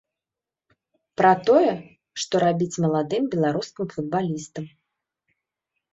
Пра тое, што рабіць маладым беларускім футбалістам.